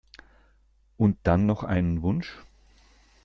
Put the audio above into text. Und dann noch einen Wunsch?